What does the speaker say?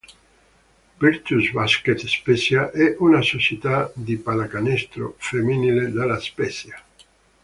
Virtus Basket Spezia è una società di pallacanestro femminile della Spezia.